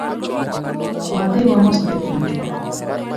Wadhi wamos japuonj wa